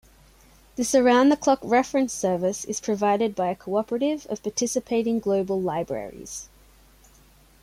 This around-the-clock reference service is provided by a cooperative of participating global libraries.